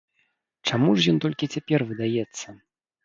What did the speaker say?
Чаму ж ён толькі цяпер выдаецца?